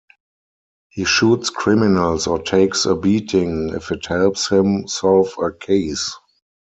He shoots criminals or takes a beating if it helps him solve a case.